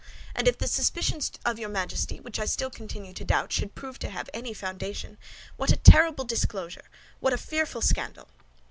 And if the suspicions of your Majesty, which I still continue to doubt, should prove to have any foundation, what a terrible disclosure, what a fearful scandal!"